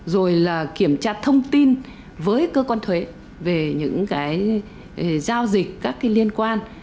rồi là kiểm tra thông tin với cơ quan thuế về những cái giao dịch các cái liên quan